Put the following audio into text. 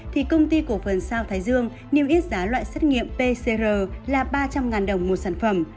thì công ty cổ phần sao thái dương niêm yết giá loại xét nghiệm pcr là ba trăm linh đồng một sản phẩm